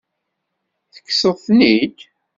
Tekkseḍ-ten-id?